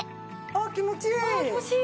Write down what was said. あー気持ちいい！